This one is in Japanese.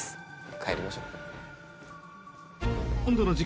帰りましょう。